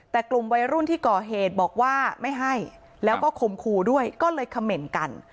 แต่กลุ่มวัยรุ่นที่ก่อเหตุบอกว่าไม่ให้แล้วก็ข่มขู่ด้วยก็เลยเขม่นกัน